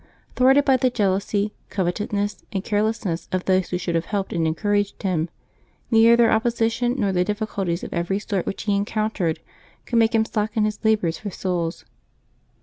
Thwarted by the jealousy, covet oueness, and carelessness of those who should have helped and encouraged him, neither their opposition nor the diffi culties of every sort which he encountered could make him slacken his labors for souls.